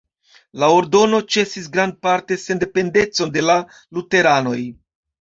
La ordono ĉesis grandparte sendependecon de la luteranoj.